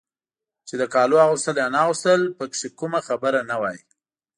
چې د کالو اغوستل یا نه اغوستل پکې کومه خبره نه وای.